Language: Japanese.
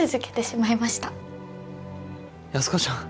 安子ちゃん。